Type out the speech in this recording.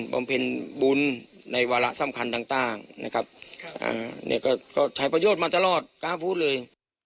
บำเพ็ญบุญในวาระสำคัญต่างใช้ประโยชน์มาตลอดก้าพูดเลย